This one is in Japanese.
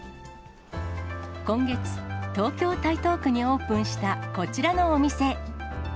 今月、東京・台東区にオープンしたこちらのお店。